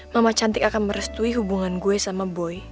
mama cantik akan merestui hubungan gue sama boy